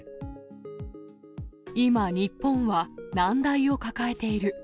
今、日本は難題を抱えている。